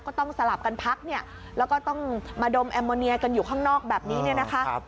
สลับกันพักเนี่ยแล้วก็ต้องมาดมแอมโมเนียกันอยู่ข้างนอกแบบนี้เนี่ยนะคะ